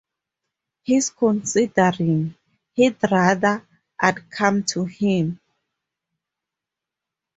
He’s considering — he’d rather I’d come to him!